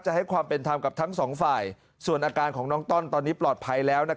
ให้ความเป็นธรรมกับทั้งสองฝ่ายส่วนอาการของน้องต้อนตอนนี้ปลอดภัยแล้ว